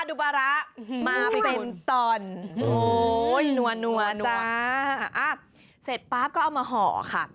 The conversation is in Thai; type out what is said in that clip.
ดูบาระมาเป็นตอนโอ้ยนัวจ้าอ่ะเสร็จป๊าบก็เอามาห่อค่ะ